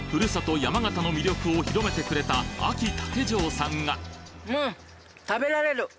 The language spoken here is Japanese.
山形の魅力を広めてくれたあき竹城さんがうん食べられる！